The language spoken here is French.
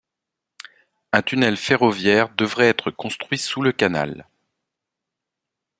Un tunnel ferroviaire devrait être construit sous le canal.